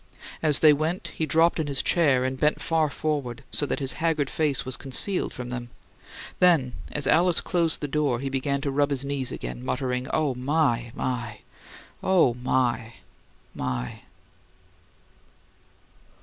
As they went, he dropped in his chair and bent far forward, so that his haggard face was concealed from them. Then, as Alice closed the door, he began to rub his knees again, muttering, "Oh, my, my! OH, my, my!"